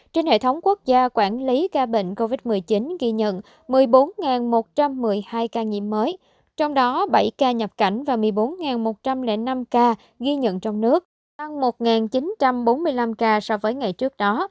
trên hệ thống quốc gia quản lý ca bệnh covid một mươi chín ghi nhận một mươi bốn một trăm một mươi hai ca nhiễm mới trong đó bảy ca nhập cảnh và một mươi bốn một trăm linh năm ca ghi nhận trong nước tăng một chín trăm bốn mươi năm ca so với ngày trước đó